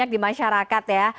di masyarakat ya